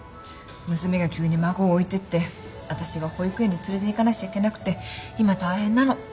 娘が急に孫を置いてって私が保育園に連れていかなくちゃいけなくて今大変なの。